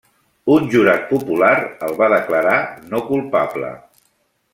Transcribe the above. Un jurat popular el va declarar no culpable.